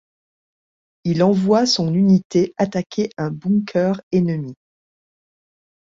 Il envoie son unité attaquer un bunker ennemi.